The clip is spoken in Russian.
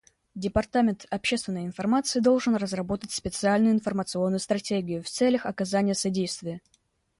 Департамент общественной информации должен разработать специальную информационную стратегию в целях оказания содействия.